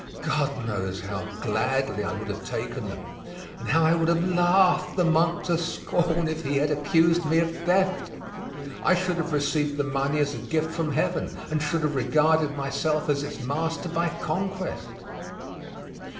God knows how gladly I would have taken them, and how I would have laughed the monk to scorn if he had accused me of theft! I should have received the money as a gift from Heaven, and should have regarded myself as its master by conquest.